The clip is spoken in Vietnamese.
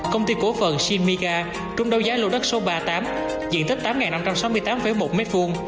công ty cổ phần shinmiga trúng đấu giá lô đất số ba tám diện tích tám năm trăm sáu mươi tám một m hai